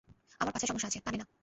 আমার পাছায় সমস্যা আছে, কানে না।